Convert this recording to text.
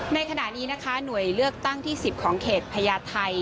ในขณะนี้นะคะหน่วยเลือกตั้งที่๑๐ของเขตพญาไทย